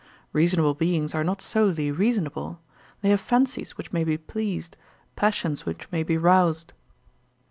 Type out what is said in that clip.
Reasonable beings are not solely reasonable. They have fancies which may be pleased, passions which may be roused.